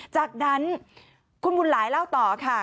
จากนั้นคุณบุญหลายเล่าต่อค่ะ